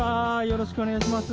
よろしくお願いします。